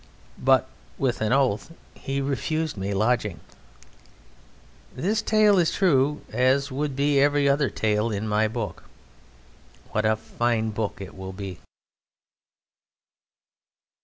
But with an oath he refused me lodging. This tale is true, as would be every other tale in my book. What a fine book it will be!